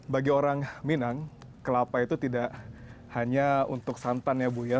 bagi orang minang kelapa itu tidak hanya untuk santan ya bu ya